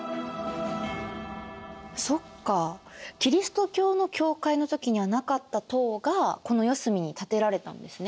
そっかキリスト教の教会の時にはなかった塔がこの四隅に建てられたんですね。